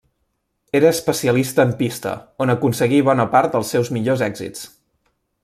Era especialista en pista, on aconseguí bona part dels seus millors èxits.